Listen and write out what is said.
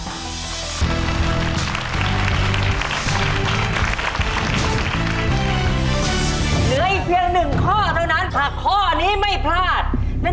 เหลืออีกเพียงหนึ่งข้อเท่านั้นค่ะ